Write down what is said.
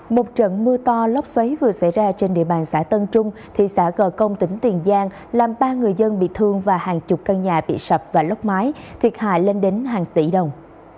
một trận mưa to lốc xoáy vừa xảy ra trên địa bàn xã tân trung thị xã gò công tỉnh tiền giang làm ba người dân bị thương và hàng chục căn nhà bị sập và lốc máy thiệt hại lên đến hàng tỷ đồng